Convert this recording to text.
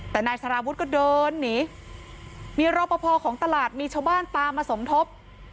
แต่นายสารวุฒิก็เดินหนีมีรอปภของตลาดมีชาวบ้านตามมาสมทบ